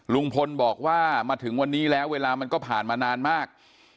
ลุงพลบอกว่ามาถึงวันนี้แล้วเวลามันก็ผ่านมานานมาก